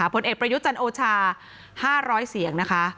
พลเอกประยุตญ์จันโอชา๕๐๐เสียง